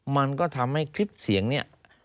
มันก็ทำให้คลิปเสียงเนี่ย